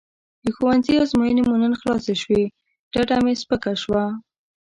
د ښوونځي ازموینې مو نن خلاصې شوې ډډه مې سپکه شوه.